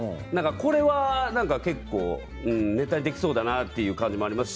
これはネタにできそうだなという感じもあります